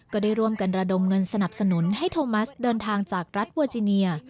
ก็ได้ร่วมกันระดมเงินสนับสนุนให้โทมัสเดินทางจากรัฐเวอร์จิเนีย